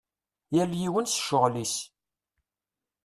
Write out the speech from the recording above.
Yal yiwen s ccɣel-is.